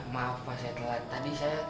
maaf pak saya telat tadi saya